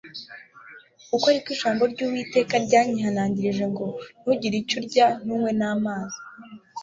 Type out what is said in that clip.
kuko ari ko ijambo ryUwiteka ryanyihanangirije ngo Ntugire icyo urya ntunywe namazi